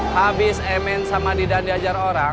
habis emen sama didan diajar orang